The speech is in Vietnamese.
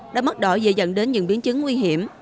đau mắt đỏ dễ dẫn đến những biến chứng nguy hiểm